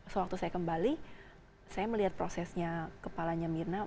sewaktu saya kembali saya melihat prosesnya kepalanya mirna